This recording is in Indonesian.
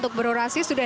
usai appername indra